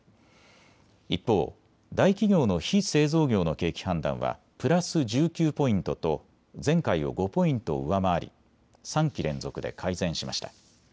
一方、大企業の非製造業の景気判断はプラス１９ポイントと前回を５ポイント上回り３期連続で改善しました。